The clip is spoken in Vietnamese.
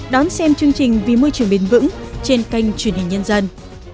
đón xem chương trình vì môi trường bền vững trên kênh truyền hình nhân dân